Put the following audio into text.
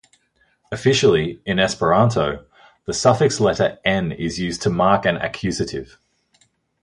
Officially, in Esperanto, the suffix letter "n" is used to mark an accusative.